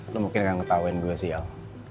lo mungkin gak ngetahuin dulu sih al